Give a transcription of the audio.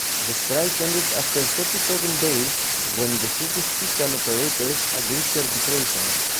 The strike ended after thirty-seven days when the city's pecan operators agreed to arbitration.